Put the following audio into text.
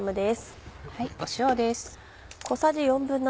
塩です。